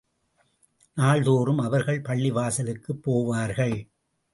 நாள்தோறும் அவர்கள் பள்ளிவாசலுக்குப் போவார்கள்.